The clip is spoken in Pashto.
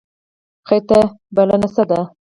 خیر ته بلنه څه ده؟